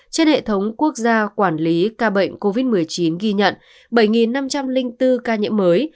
trên hệ thống quốc gia quản lý ca bệnh covid một mươi chín ghi nhận bảy năm trăm linh bốn ca nhiễm mới